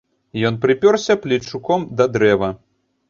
Ён прыпёрся плечуком да дрэва.